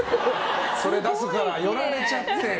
それ出すから、寄られちゃって。